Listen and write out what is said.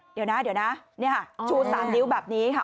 เดี๋ยวนะนี่ค่ะชูสามนิ้วแบบนี้ค่ะ